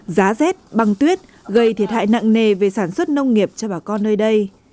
giá rét băng tuyết gây thiệt hại nặng nề về sản xuất nông nghiệp cho bà con nơi đây